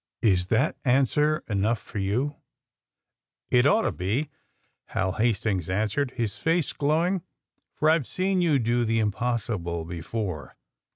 Is that answer enough for jouV^ ^'It ought to be/' Hal Hastings answered, his face glowing. ^^For I've seen you do the im possible before."